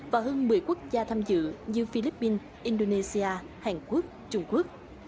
và hơn một mươi quốc gia tham dự như philippines indonesia hàn quốc trung quốc